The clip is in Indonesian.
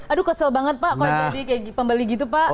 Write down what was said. aduh kesel banget pak kalau jadi kayak pembeli gitu pak